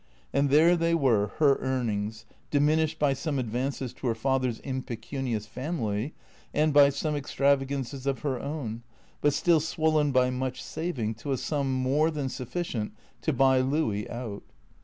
And there they were, her earnings, diminished by some advances to her father's impecunious family, and by some extravagances of her own, but still swollen by much saving to a sum more than suf ficient to buy Louis out.